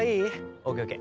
ＯＫＯＫ。